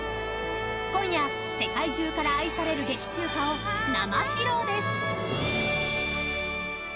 今夜、世界中から愛される劇中歌を生披露です。